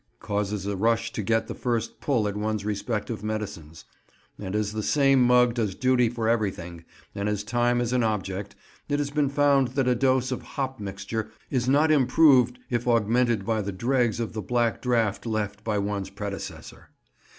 causes a rush to get the first pull at one's respective medicines; and as the same mug does duty for everything, and as time is an object, it has been found that a dose of hop mixture is not improved if augmented by the dregs of the black draught left by one's predecessor.